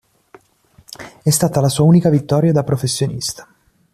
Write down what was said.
È stata la sua unica vittoria da professionista.